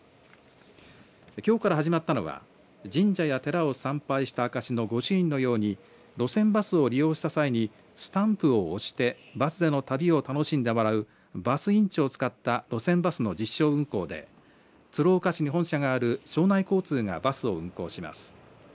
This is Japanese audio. きょうから始まったのは神社や寺を参拝した証しの御朱印のように路線バスを利用した際にスタンプを押してバスでの旅を楽しんでもらうバス印帳を使った路線バスの実証運行で鶴岡市に本社がある庄内交通がバスを運行します。